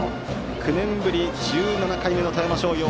９年ぶり１７回目の富山商業。